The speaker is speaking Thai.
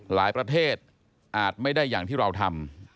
ประเทศอาจไม่ได้อย่างที่เราทำ